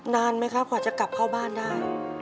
นานไหมคะกว่าจะกลับเข้าบ้านได้